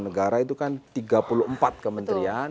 negara itu kan tiga puluh empat kementerian